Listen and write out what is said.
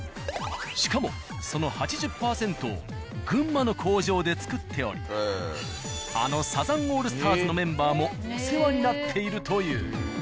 しかもその８０％を群馬の工場で作っておりあのサザンオールスターズのメンバーもお世話になっているという。